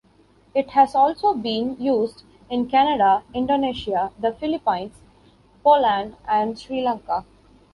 It has also been used in Canada, Indonesia, the Philippines, Poland and Sri Lanka.